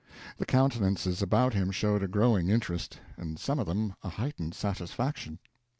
The countenances about him showed a growing interest; and some of them a heightened satisfaction.